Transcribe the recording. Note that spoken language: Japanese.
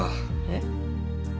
えっ？